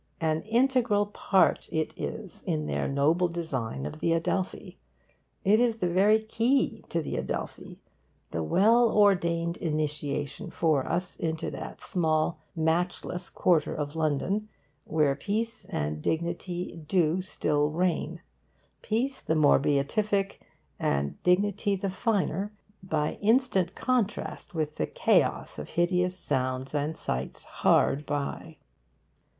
An integral part it is in their noble design of the Adelphi. It is the very key to the Adelphi, the well ordained initiation for us into that small, matchless quarter of London, where peace and dignity do still reign peace the more beatific, and dignity the finer, by instant contrast with the chaos of hideous sounds and sights hard by.